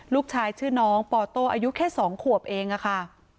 ลูกชายชื่อน้องปอโต้อายุแค่๒ขวบเองอะค่ะ